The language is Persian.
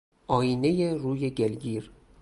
آیینهی روی گلگیر